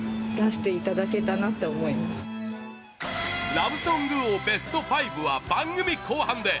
ラブソング王ＢＥＳＴ５は番組後半で！